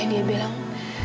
kamu dengerin aku